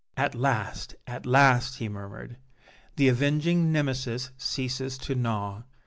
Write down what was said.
"At last, at last," he murmured, "the avenging Nemesis ceases to gnaw!